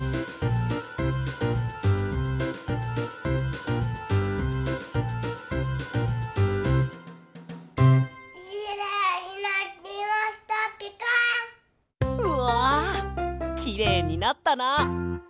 うわきれいになったな。